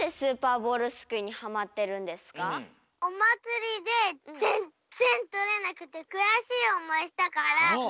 おまつりでぜんぜんとれなくてくやしいおもいしたからえ？